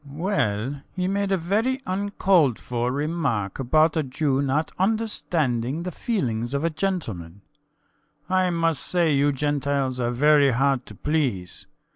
SCHUTZMACHER. Well, he made a very uncalled for remark about a Jew not understanding the feelings of a gentleman. I must say you Gentiles are very hard to please.